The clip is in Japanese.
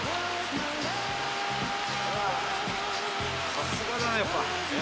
さすだな、やっぱ。